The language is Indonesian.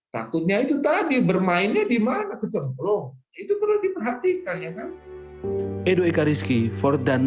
takutnya itu tadi bermainnya di mana ke cemplung itu perlu diperhatikan ya kan